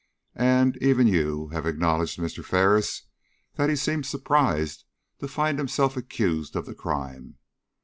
and, even you have acknowledged, Mr. Ferris, that he seemed surprised to find himself accused of the crime.